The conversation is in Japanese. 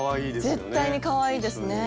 絶対にかわいいですね。